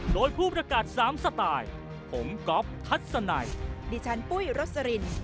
โดยผู้ประกาศ๓สไตล์ผมก๊อฟทัศนัยดิฉันปุ้ยรสลิน